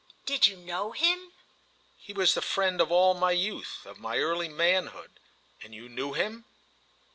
"Did you know him?" "He was the friend of all my youth—of my early manhood. And you knew him?"